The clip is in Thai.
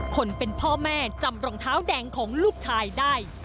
คนเป็นพ่อแม่จำรองเท้าแดงของลูกชายได้